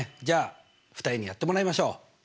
じゃあ２人にやってもらいましょう！